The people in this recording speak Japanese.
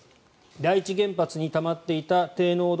第一原発にたまっていた低濃度